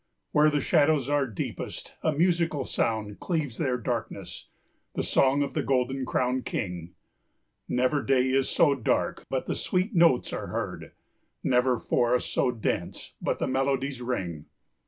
Where the shadows are deepest a musical sound Cleaves their darkness, the song of the golden crowned King. Never day is so dark but the sweet notes are heard, Never forest so dense but the melodies ring.